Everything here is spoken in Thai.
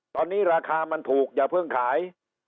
ตอนนี้ราคามันถูกอย่าเพิ่งขาย